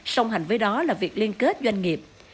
song hành với đó là việc liên kết doanh nghiệp